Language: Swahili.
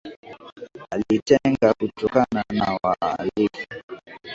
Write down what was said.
Alitenga kutokana na wahalifu